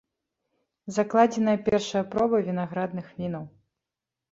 Закладзеная першая проба вінаградных вінаў.